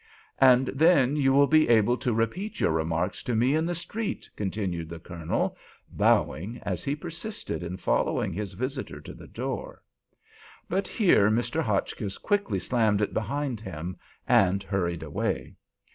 "And then you will be able to repeat your remarks to me in the street," continued the Colonel, bowing, as he persisted in following his visitor to the door. But here Mr. Hotchkiss quickly slammed it behind him, and hurried away.